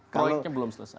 proyeknya belum selesai